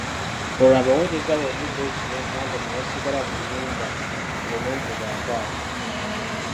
Olwo abaweereza bombi Joyce ne Hunter ne basigala mu nnyumba nze ne nvuga akaato.